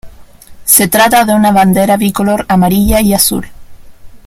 Se trata de una bandera bicolor amarilla y azul.